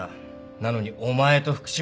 なのにお前と福島。